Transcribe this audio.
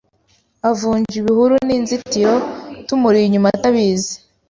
Avunja ibihuru ninzitiro, tumuri inyuma atabizi